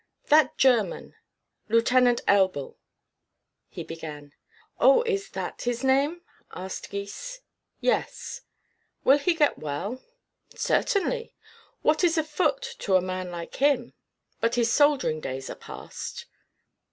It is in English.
"That German, Lieutenant Elbl," he began. "Oh, is that his name?" asked Gys. "Yes. Will he get well?" "Certainly. What is a foot, to a man like him? But his soldiering days are past."